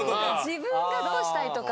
自分がどうしたいとか。